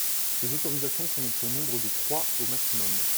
Ces autorisations sont au nombre de trois au maximum.